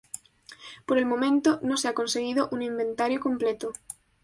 Por el momento, no se ha conseguido un inventario completo.